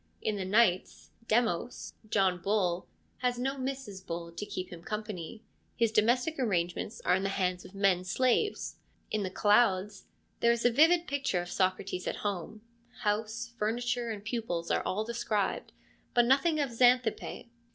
In the Knights, ' Demos '— John Bull — has no Mrs. Bull to keep him company : his domestic arrangements are in the hands of men slaves. In the Clouds there is a vivid picture of Socrates at home : house, furniture, and pupils are all described, but nothing of Xanthippe.